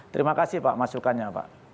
terima kasih pak masukannya pak